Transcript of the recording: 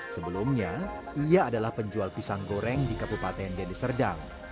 sebelumnya ia adalah penjual pisang goreng di kabupaten dendiserdang